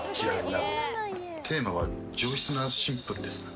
テーマは上質なシンプルです。